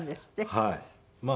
はい。